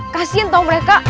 kasian tau mereka